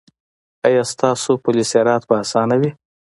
ایا ستاسو پل صراط به اسانه وي؟